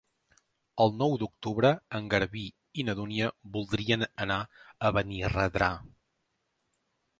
El nou d'octubre en Garbí i na Dúnia voldrien anar a Benirredrà.